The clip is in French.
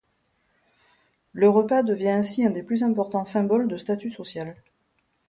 Le repas devient ainsi un des plus importants symboles de statut social.